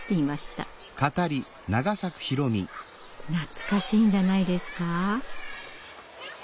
懐かしいんじゃないですか？